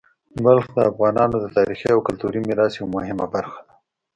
بلخ د افغانانو د تاریخي او کلتوري میراث یوه مهمه برخه ده.